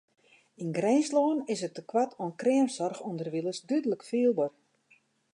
Yn Grinslân is it tekoart oan kreamsoarch ûnderwilens dúdlik fielber.